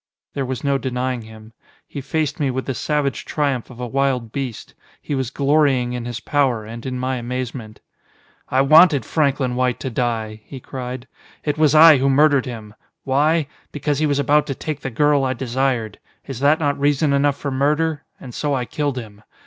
There was no denying him. He faced me with the savage triumph of a wild beast. He was glorying in his power, and in my amazement. "I wanted Franklin White to die!" he cried. "It was I who murdered him. Why? Because he was about to take the girl I desired. Is that not reason enough for murder? And so I killed him.